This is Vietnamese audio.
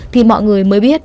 thì mọi người mới biết